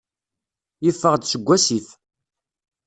Yeffeɣ-d seg wasif.